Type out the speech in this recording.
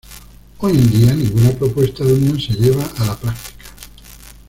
Hoy en día ninguna propuesta de unión se lleva a la práctica.